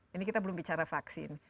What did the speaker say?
ini kita belum bicara vaksin